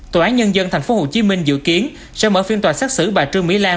tòa án nhân dân tp hcm dự kiến sẽ mở phiên tòa xác xử bà trương mỹ lan